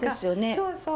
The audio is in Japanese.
そうそう。